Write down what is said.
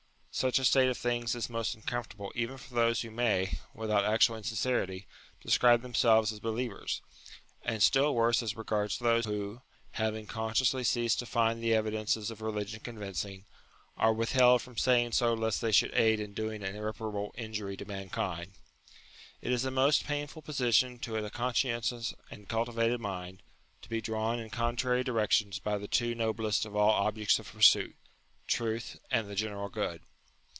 Such a state of things is most uncomfortable even for those who may, without actual insincerity, describe themselves as be lievers ; and still worse as regards those who, having consciously ceased to find the evidences of religion convincing, are withheld from saying so lest they should aid in doing an irreparable injury to mankind. It is a most painful position to a conscientious and cultivated mind, to be drawn in contrary directions by the two noblest of all objects of pursuit, truth, and the general good.